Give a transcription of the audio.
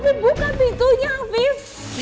alvif buka pintunya alvif